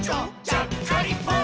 ちゃっかりポン！」